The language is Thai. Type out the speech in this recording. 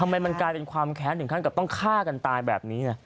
ทำไมมันกลายเป็นความแค้นถึงขั้นกับต้องฆ่ากันตายแบบนี้